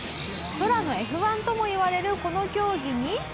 空のＦ１ともいわれるこの競技に。